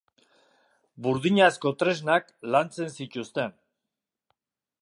Burdinazko tresnak lantzen zituzten.